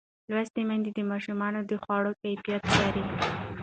لوستې میندې د ماشوم د خواړو کیفیت څاري.